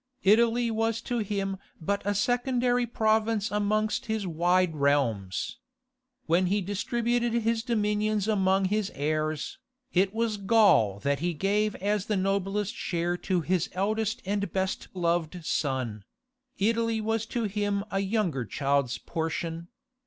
Italy was to him but a secondary province amongst his wide realms. When he distributed his dominions among his heirs, it was Gaul that he gave as the noblest share to his eldest and best loved son: Italy was to him a younger child's portion.